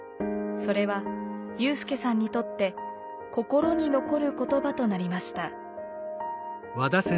それは有さんにとって心に残る言葉となりました。